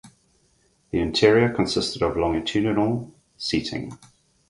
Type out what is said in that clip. The interior consisted of longitudinal seating.